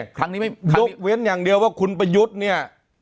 ยุดเว้นอย่างเดียวว่าคุณปะยุดเนี่ย